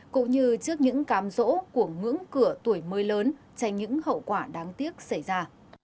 cũng như trước những cám rỗ của ngưỡng cửa tuổi mới lớn tránh những hậu quả đáng tiếc xảy ra